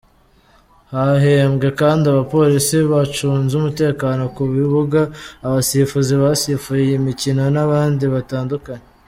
Hahembwe kandi abapolisi bacunze umutekano ku bibuga, abasifuzi basifuye iyi mikino n’abandi batandukanye.